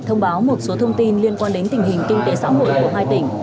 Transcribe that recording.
thông báo một số thông tin liên quan đến tình hình kinh tế xã hội của hai tỉnh